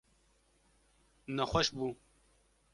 Nexweş bû.